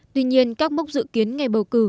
tuy nhiên các mốc dự kiến ngày bầu cử